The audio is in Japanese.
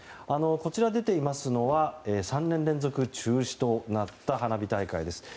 こちらに出ていますのは３年連続中止となった花火大会です。